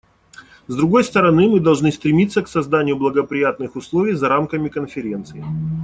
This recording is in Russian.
С другой стороны, мы должны стремиться к созданию благоприятных условий за рамками Конференции.